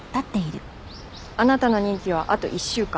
あなたの任期はあと１週間。